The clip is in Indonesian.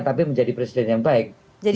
tapi menjadi presiden yang baik